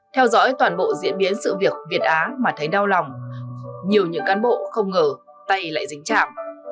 theo dõi toàn bộ diễn biến sự việc việt á mà thấy đau lòng nhiều những cán bộ không ngờ tay lại dính chạm